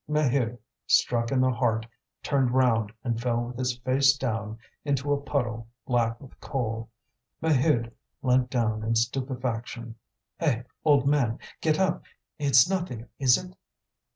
Maheu, struck in the heart, turned round and fell with his face down into a puddle black with coal. Maheude leant down in stupefaction. "Eh! old man, get up. It's nothing, is it?"